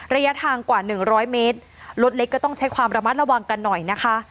ระยะทางกว่าหนึ่งร้อยเมตรรถเล็กก็ต้องใช้ความระมัดระวังกันหน่อยนะคะ